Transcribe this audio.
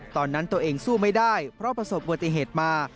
ตัวเองสู้ไม่ได้เพราะประสบบัติเหตุมา